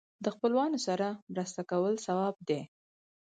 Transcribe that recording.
د خپلوانو سره مرسته کول ثواب دی.